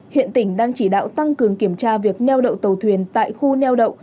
hiện tỉnh đang chỉ đạo tăng cường kiểm tra việc neo đậu tàu thuyền tại khu neo đậu